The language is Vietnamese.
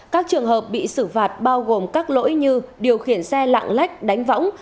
các trường hợp bị xử phạt bao gồm các lỗi như điều khiển xe lạng lách đánh võng